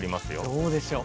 どうでしょう？